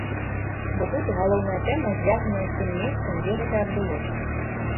Бо тут галоўная тэма звязаная з тым месцам, дзе гэта адбылося.